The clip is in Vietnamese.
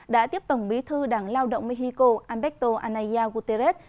đã tiếp tổng bí thư đảng lao động mexico alberto anaya guterres